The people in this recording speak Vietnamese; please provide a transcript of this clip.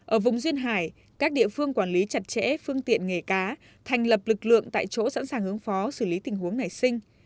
ở vùng duyên hải các địa phương quản lý chặt chẽ phương tiện nghề cá thành lập lực lượng tại chỗ sẵn sàng ứng phó xử lý tình huống nảy sinh